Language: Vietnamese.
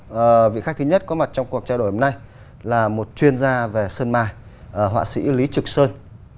xin được trân trọng giới thiệu vị khách thứ nhất có mặt trong cuộc trao đổi hôm nay là một chuyên gia về sơn mài họa sĩ lý trực sơn